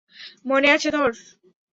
মনে আছে তোর?